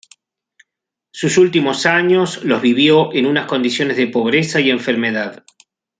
Sus últimos años los vivió en unas condiciones de pobreza y enfermedad.